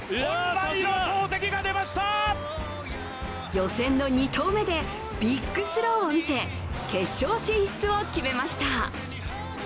予選の２投目でビッグスローを見せ決勝進出を決めました。